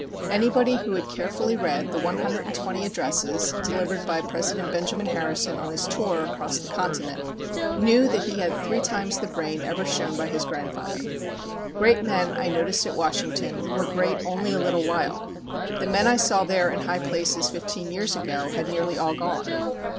Anybody who had carefully read the 120 addresses delivered by President Benjamin Harrison on his tour across the continent knew that he had three times the brain ever shown by his grandfather. Great men, I noticed at Washington, were great only a little while. The men I saw there in high places fifteen years ago had nearly all gone.